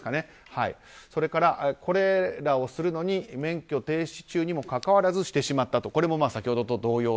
それからこれらをするのに免許停止中にもかかわらずしてしまったと。